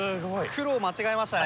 黒間違えましたね。